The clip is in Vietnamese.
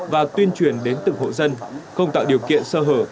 và tuyên truyền đến từng hộ dân không tạo điều kiện sơ hở